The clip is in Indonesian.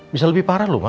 bisa lebih parah lho ma